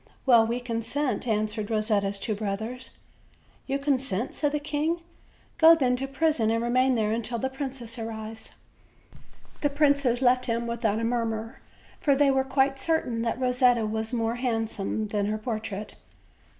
"Well, we consent," answered Rosetta's two brothers. OLD, OLD FAIRY TALES. 179 "You consent?" said the king. "Go then to prison, and remain there until the princess arrives." The princes left him without a murmur, for they were quite certain that Rosetta was more handsome than her portrait.